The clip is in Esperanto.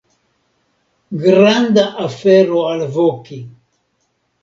Granda afero alvoki!